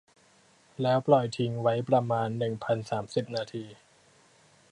แล้วปล่อยทิ้งไว้ประมาณ หนึ่งพันสามสิบ นาที